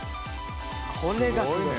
これがすごい。